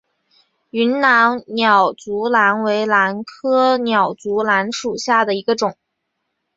云南鸟足兰为兰科鸟足兰属下的一个种。